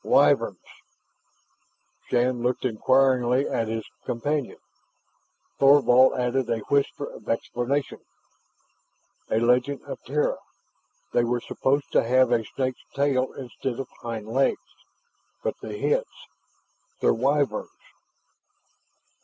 "Wyverns!" Shann looked inquiringly at his companion. Thorvald added a whisper of explanation. "A legend of Terra they were supposed to have a snake's tail instead of hind legs, but the heads.... They're Wyverns!"